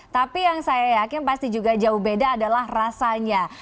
tapi yang saya yakin pasti juga jauh beda adalah rasanya